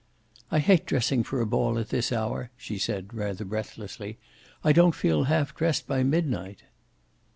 "I hate dressing for a ball at this hour," she said, rather breathlessly. "I don't feel half dressed by midnight."